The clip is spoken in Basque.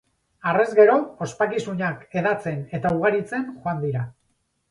Harrez gero, ospakizunak hedatzen eta ugaritzen joan dira.